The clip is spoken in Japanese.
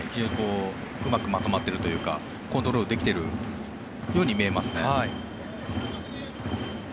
うまくまとまっているというかコントロールできているように見えますね。